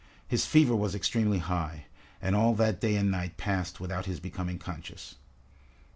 His fever was extremely high, and all that day and night passed without his becoming conscious.